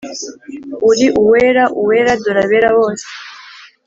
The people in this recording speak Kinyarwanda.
Uri uwera Uwera; Dore abera bose,